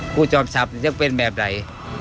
ผู้จอบสับจะเป็นแบบไหน